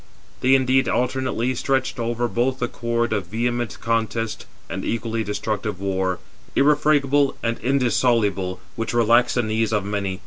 They indeed alternately stretched over both the cord of vehement contest and equally destructive war, irrefragable and indissoluble, which relaxed the knees of many.